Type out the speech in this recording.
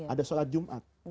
ada solat jumat